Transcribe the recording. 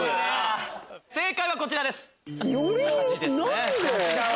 正解はこちらです。